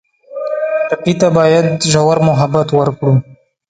ټپي ته باید ژور محبت ورکړو.